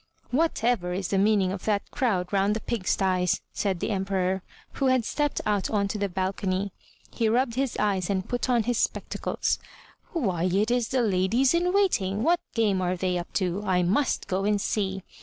''Whatever is the meaning of that crowd round the pig sties?*' said the Emperor, who had stepped out on to the balcony. He rubbed his eyes and put on his spectacles. "Why it is the ladies in waiting! What game are they up to? I must go and see!"